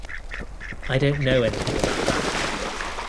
I don't know anything about that.